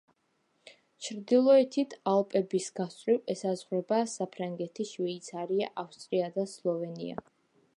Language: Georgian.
ჩრდილოეთით, ალპების გასწვრივ ესაზღვრება საფრანგეთი, შვეიცარია, ავსტრია და სლოვენია.